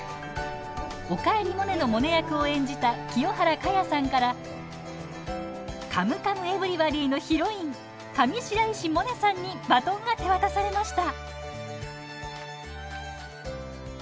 「おかえりモネ」のモネ役を演じた清原果耶さんから「カムカムエヴリバディ」のヒロイン・上白石萌音さんにバトンが手渡されました。